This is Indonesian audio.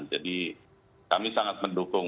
jadi kami sangat mendukung